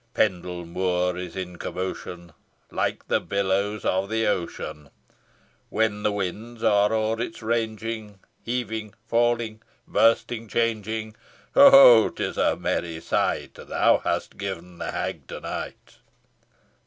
Pendle Moor is in commotion, Like the billows of the ocean, When the winds are o'er it ranging, Heaving, falling, bursting, changing. Ho! ho! 'tis a merry sight Thou hast given the hag to night.